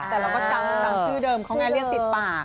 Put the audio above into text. แต่เราก็จำชื่อเดิมเขาไงเรียกติดปาก